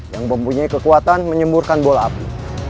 yang mempunyai kekuatan menyemburkan bola api